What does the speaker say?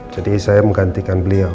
jadi saya menggantikan beliau